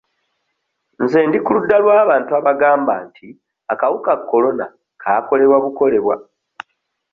Nze ndi ku ludda lw'abantu abagamba nti akawuka korona kaakolebwa bukolebwa.